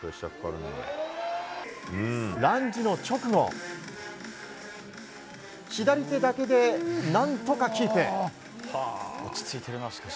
ランジの直後左手だけで何とかキープ。